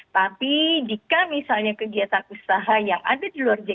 tapi jika misalnya kegiatan usaha yang ada di luar jawa